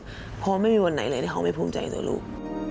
เพราะไม่มีวันไหนเลยที่เขาไม่ภูมิใจต่อลูก